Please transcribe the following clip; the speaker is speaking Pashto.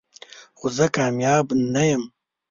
خو زه کامیاب نه یم .